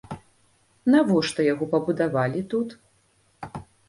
Навошта яго пабудавалі тут?